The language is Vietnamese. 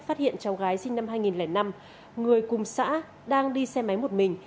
phát hiện cháu gái sinh năm hai nghìn năm người cùng xã đang đi xe máy một mình